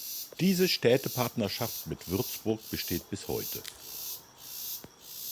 Diese Städtepartnerschaft mit Würzburg besteht bis heute.